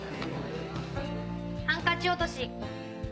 ハンカチ落とし。